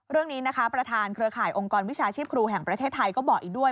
เรื่องนี้นะคะประธานเครือข่ายองค์กรวิชาชีพครูแห่งประเทศไทยก็บอกอีกด้วย